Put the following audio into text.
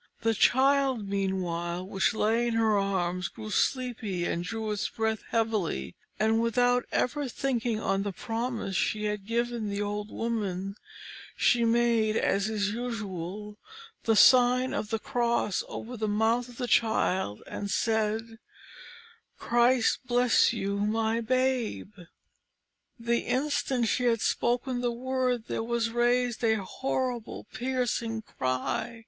The child, meanwhile, which lay in her arms grew sleepy and drew its breath heavily, and, without ever thinking on the promise she had given the old woman, she made, as is usual, the sign of the cross over the mouth of the child, and said, "Christ bless you, my babe!" The instant she had spoken the word there was raised a horrible, piercing cry.